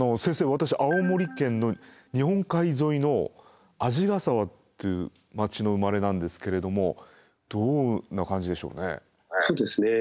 私青森県の日本海沿いの鰺ヶ沢という町の生まれなんですけれどもどんな感じでしょうね。